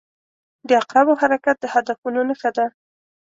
• د عقربو حرکت د هدفونو نښه ده.